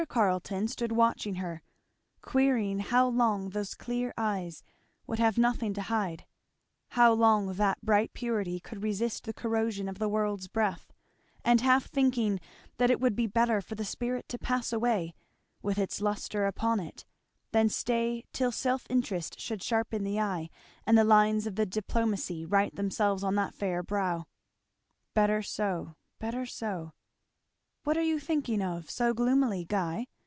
Carleton stood watching her, querying how long those clear eyes would have nothing to hide, how long that bright purity could resist the corrosion of the world's breath; and half thinking that it would be better for the spirit to pass away, with its lustre upon it, than stay till self interest should sharpen the eye, and the lines of diplomacy write themselves on that fair brow. "Better so; better so." "What are you thinking of so gloomily, Guy?"